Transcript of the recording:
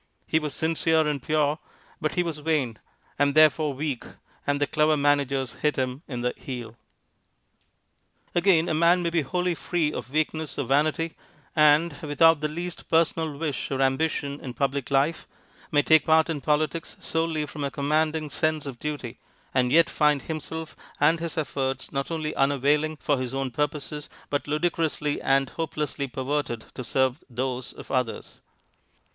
He was sincere and pure, but he was vain, and therefore weak, and the clever managers hit him in the heel. Again, a man may be wholly free of weakness or vanity, and, without the least personal wish or ambition in public life, may take part in politics solely from a commanding sense of duty, and yet find himself and his efforts not only unavailing for his own purposes, but ludicrously and hopelessly perverted to serve those of others.